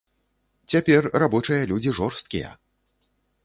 Цяпер рабочыя людзі жорсткія.